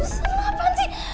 susan apaan sih